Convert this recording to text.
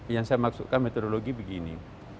yang saya maksudkan metodologi begini